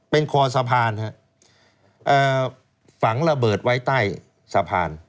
เป็นคอสะพานฝังระเบิดไว้ใต้สะพาน